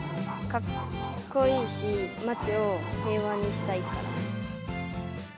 かっこいいし、街を平和にしたいからです。